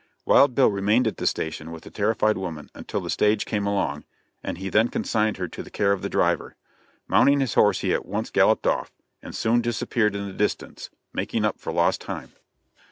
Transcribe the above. Wild Bill remained at the station with the terrified woman until the stage came along, and he then consigned her to the care of the driver. Mounting his horse he at once galloped off, and soon disappeared in the distance, making up for lost time.